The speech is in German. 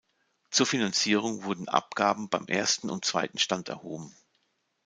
Zur Finanzierung wurden Abgaben beim ersten- und zweiten Stand erhoben.